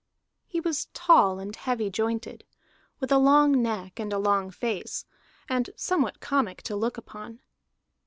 He was tall and heavy jointed, with a long neck and a long face, and somewhat comic to look upon.